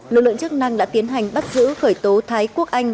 lực lượng chức năng đã tiến hành bắt giữ khởi tố thái quốc anh